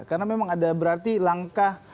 karena memang ada berarti langkah